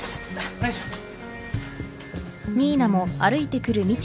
お願いします。